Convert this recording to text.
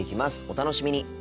お楽しみに。